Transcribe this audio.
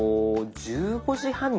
１５時半に。